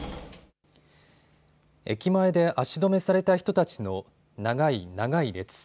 駅前で足止めされた人たちの長い長い列。